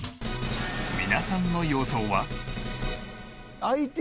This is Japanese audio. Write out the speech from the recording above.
皆さんの予想は？